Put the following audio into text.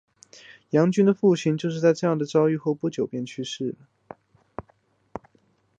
杨君的父亲就是在这样的遭遇之后不久就去世的。